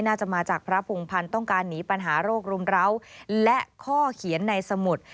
น่าจะมาจากพระพงพันธ์ต้องการหนีปัญหาโรครุมร้าวและข้อเขียนในสมุทร